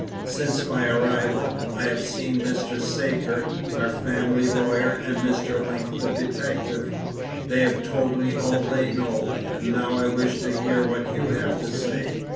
Since my arrival I have seen Mr. Saker, our family lawyer, and Mr. Link, the detective. They have told me all they know, and now I wish to hear what you have to say."